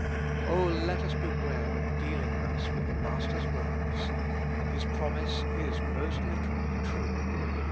O let us beware of dealing thus with the Master's words. His promise is most literally true.